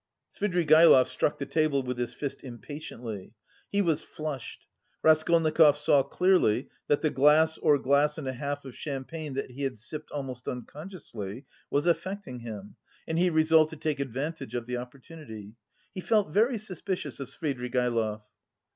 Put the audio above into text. Svidrigaïlov struck the table with his fist impatiently. He was flushed. Raskolnikov saw clearly that the glass or glass and a half of champagne that he had sipped almost unconsciously was affecting him and he resolved to take advantage of the opportunity. He felt very suspicious of Svidrigaïlov.